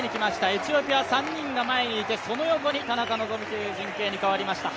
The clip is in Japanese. エチオピア３人が前にいてその横に田中希実という陣形に変わりました。